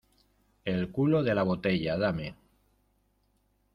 el culo de la botella. dame .